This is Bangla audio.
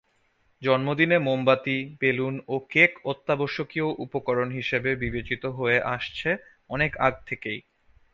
জন্মদিনে মোমবাতি, বেলুন ও কেক অত্যাবশকীয় উপকরণ হিসেবে বিবেচিত হয়ে আসছে অনেক আগ থেকেই।